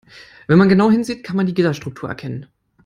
Wenn man genau hinsieht, kann man die Gitterstruktur erkennen.